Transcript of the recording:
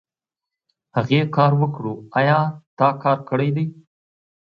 هغې کار وکړو ايا تا کار کړی دی ؟